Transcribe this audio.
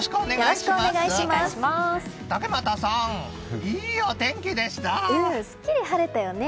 うん、すっきり晴れたよね。